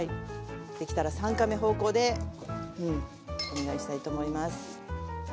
できたら３カメ方向でお願いしたいと思います。